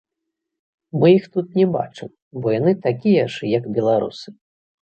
Мы іх тут не бачым, бо яны такія ж як беларусы.